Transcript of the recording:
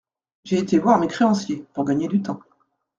J’ai été voir mes créanciers, pour gagner du temps.